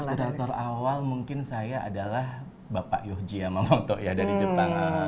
inspirator awal mungkin saya adalah bapak yohji ya mamoto ya dari jepang